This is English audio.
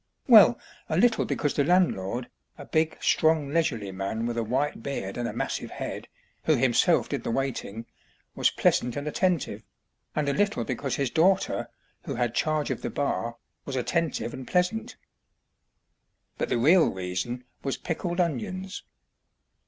Well, a little because the landlord (a big, strong, leisurely man with a white beard and a massive head), who himself did the waiting, was pleasant and attentive, and a little because his daughter, who had charge of the bar, was attentive and pleasant. But the real reason was pickled onions.